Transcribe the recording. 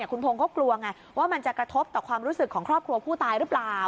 คุณพงศ์เขากลัวไงว่ามันจะกระทบต่อความรู้สึกของครอบครัวผู้ตายหรือเปล่า